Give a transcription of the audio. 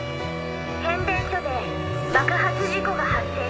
変電所で爆発事故が発生しました。